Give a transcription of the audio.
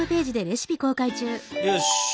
よし。